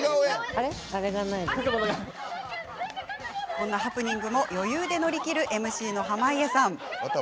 このハプニングも余裕で乗り切るＭＣの濱家さん。